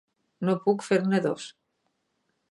No puc fer-ne dos.